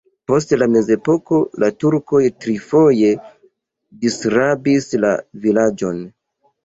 Post la mezepoko la turkoj trifoje disrabis la vilaĝon.